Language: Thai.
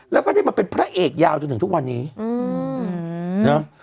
แล้วก็ได้มาเป็นพระเอกยาวจนถึงทุกวันนี้อืมเนอะ